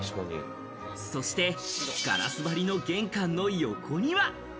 そしてガラス張りの玄関の横には。